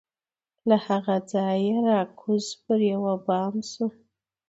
له هغه ځایه را کوز پر یوه بام سو